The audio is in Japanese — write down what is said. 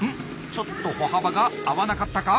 ちょっと歩幅が合わなかったか？